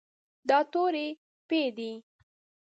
دا توری "پ" دی.